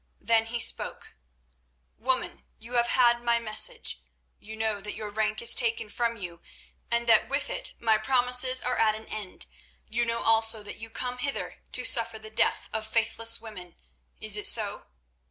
Then he spoke: "Woman, you have had my message. You know that your rank is taken from you, and that with it my promises are at an end; you know also that you come hither to suffer the death of faithless women. Is it so?"